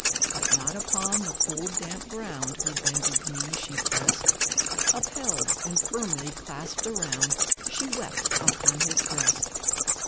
But not upon the cold, damp ground, Her bended knee she pressed; Upheld, and firmly clasped around, She wept upon his breast.